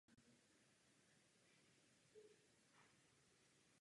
Tyto postavy mají lidskou osobnost a další lidem podobné vlastnosti.